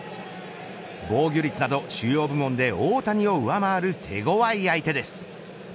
防御率など主要部門で大谷を上回る手ごわい相手です。